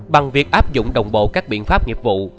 bằng việc áp dụng đồng bộ các biện pháp nghiệp vụ